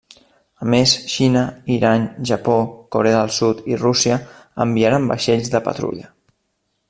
A més Xina, Iran, Japó, Corea del Sud i Rússia enviaren vaixells de patrulla.